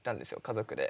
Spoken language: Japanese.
家族で。